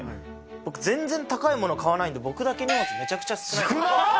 僕全然高いもの買わないので、僕だけ荷物、めちゃくちゃ少ないんです。